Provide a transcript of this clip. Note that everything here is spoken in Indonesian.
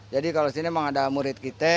jadi kalau di sini memang ada murid kita